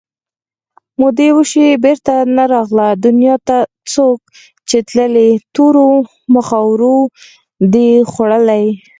مودې وشوې بېرته نه راغله دنیا ته څوک چې تللي تورو مخاورو دي خوړلي